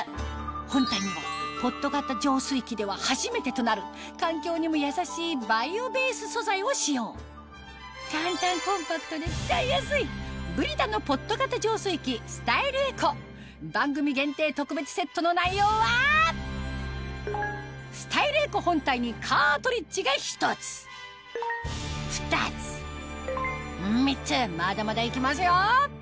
本体にはポット型浄水器では初めてとなる環境にもやさしいバイオベース素材を使用簡単コンパクトで使いやすいＢＲＩＴＡのポット型浄水器スタイルエコ番組限定特別セットの内容はスタイルエコ本体にカートリッジが１つ２つ３つまだまだいきますよ！